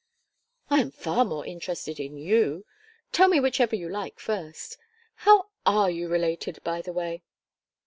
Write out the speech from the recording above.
"I am far more interested in you. Tell me whichever you like first. How are you related, by the way?"